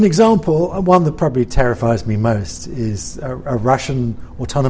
contoh yang paling menakutkan adalah